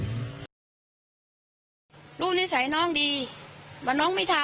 นิสัยน้องดีว่าน้องไม่ทำ